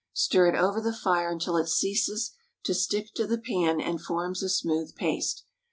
Stir it over the fire until it ceases to stick to the pan and forms a smooth paste.